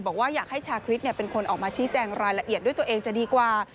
บอกว่าอยากให้ชาคริสเป็นคนออกมาชี้แจงรายละเอียดด้วยตัวเองจะดีกว่า